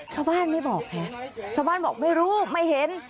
ชาวบ้านไม่บอกค่ะชาวบ้านบอกไม่รู้ไม่เห็น